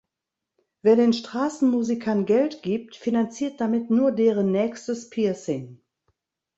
Wer den Straßenmusikern Geld gibt, finanziert damit nur deren nächstes Piercing!